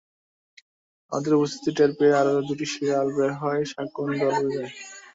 আমাদের উপস্থিতি টের পেয়ে আরো দুটো শিয়াল বের হয় এবং শকুন দল উড়ে যায়।